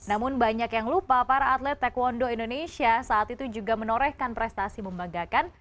namun banyak yang lupa para atlet taekwondo indonesia saat itu juga menorehkan prestasi membanggakan